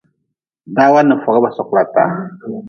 Dawa n foga sokla taa.